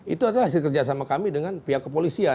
itu adalah hasil kerjasama kami dengan pihak kepolisian